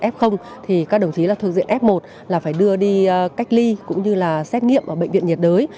f thì các đồng chí là thuộc diện f một là phải đưa đi cách ly cũng như là xét nghiệm ở bệnh viện nhiệt đới